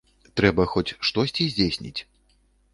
Трэба хоць штосьці здзейсніць.